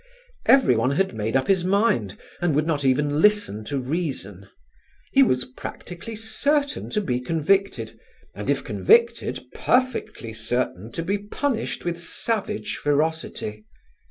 Everyone had made up his mind and would not even listen to reason: he was practically certain to be convicted, and if convicted perfectly certain to be punished with savage ferocity.